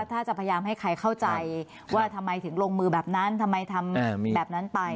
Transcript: ถ้าจะพยายามให้ใครเข้าใจว่าทำไมถึงลงมือแบบนั้นทำไมทำแบบนั้นไป